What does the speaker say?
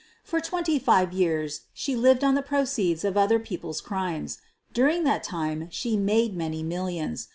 For twenty five years she lived on the proceeds of other people's crimes. During that time she made many millions.